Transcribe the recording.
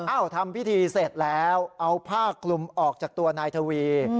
ทำพิธีเสร็จแล้วเอาผ้าคลุมออกจากตัวนายทวี